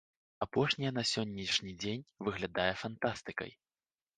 Апошняе на сённяшні дзень выглядае фантастыкай.